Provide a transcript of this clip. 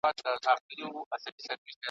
ښځو پټېږی د مرګي وار دی `